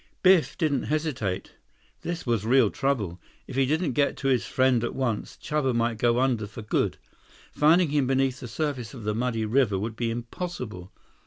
Biff didn't hesitate. This was real trouble. If he didn't get to his friend at once, Chuba might go under for good. Finding him beneath the surface of the muddy river would be impossible.